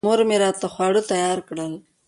مور مې راته خواړه تیار کړل.